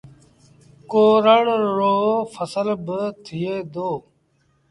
ڪورڙ رو ڦسل با ٿئي دو